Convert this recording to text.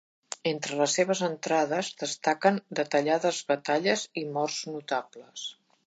Entre les seves entrades, destaquen detallades batalles i morts notables.